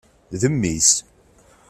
D mmi-s.